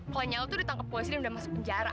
kalau nyao tuh udah tangkap polisi dan udah masuk penjara